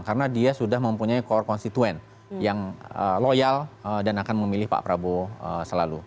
karena dia sudah mempunyai core constituent yang loyal dan akan memilih pak prabowo selalu